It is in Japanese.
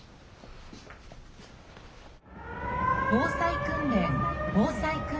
「防災訓練防災訓練。